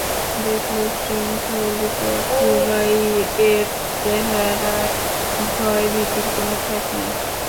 দেখল, শৃঙ্খলিত খুবাইবের চেহারায় ভয়-ভীতির কোন ছাপ নেই।